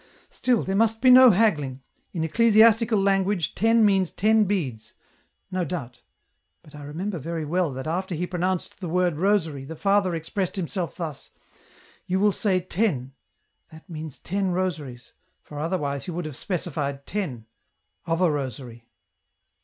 "Still, there must be no haggling ; in ecclesiastical language • ten • means ten beads ; no doubt ... but I remember very well that after he pronounced the word rosary, the father expressed himself thus :' you will say ten,' that means ten rosaries, for otherwise he would have specified ten ... of a rosary."